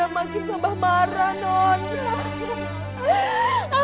makin nambah marah non